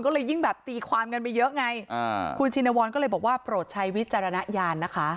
ก็เลยยิ่งแบบตีความกันไปเยอะไงคุณชินวรก็เลยบอกว่าโปรดใช้วิจารณญาณนะคะ